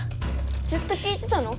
ずっと聞いてたの？